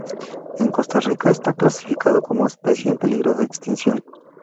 En Costa Rica está clasificado como especie en peligro de extinción.